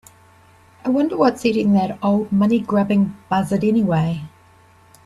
I wonder what's eating that old money grubbing buzzard anyway?